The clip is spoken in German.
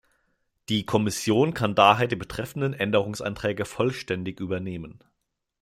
Die Kommission kann daher die betreffenden Änderungsanträge vollständig übernehmen.